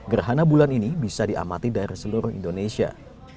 gerhana bulan ini bisa diamati dari seluruh indonesia